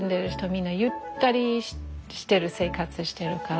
みんなゆったりしてる生活してるから。